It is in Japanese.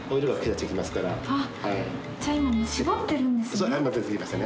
じゃあ今搾ってるんですね。